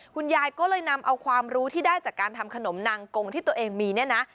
คุณยายก็เลยนำเอาความรู้ที่ได้จากการทำขนมนางกงที่ตัวเองมีเนี่ยนะ